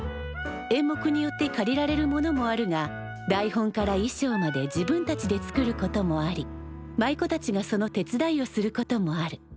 演目によって借りられるものもあるが台本からいしょうまで自分たちで作ることもあり舞妓たちがその手伝いをすることもある。